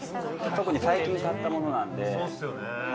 特に最近買ったものなので。